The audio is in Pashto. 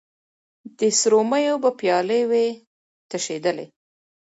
د سرو میو به پیالې وې تشېدلې